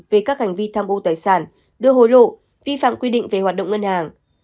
về các hành vi tham ô tài sản đưa hối lộ vi phạm quy định về hoạt động ngân hàng